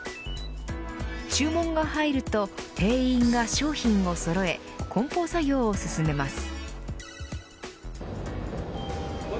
注文が入ると店員が商品をそろえ梱包作業を進めます。